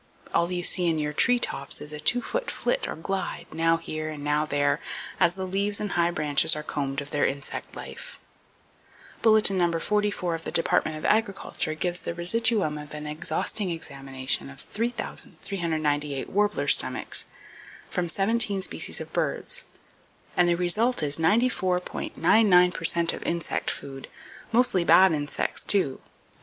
All you see in your tree tops is a two foot flit or glide, now here and now there, as the leaves and high branches are combed of their insect life. Bulletin No. 44 of the Department of Agriculture gives the residuum of an exhausting examination of 3,398 warbler stomachs, from seventeen species of birds, and the result is: 94.99 per cent of insect food,—mostly bad insects, too,—and 5.